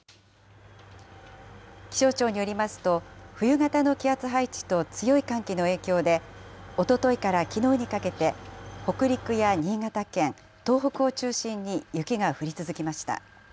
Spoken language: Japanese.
気象庁によりますと、冬型の気圧配置と強い寒気の影響で、おとといからきのうにかけて、北陸や新潟県、東北を中心に雪が降り続きました。